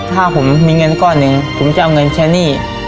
ถ้าผมมีเงินก้อนหนึ่งผมจะเอาเงินใช้หนี้